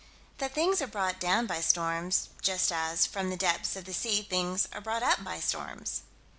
That things are brought down by storms, just as, from the depths of the sea things are brought up by storms.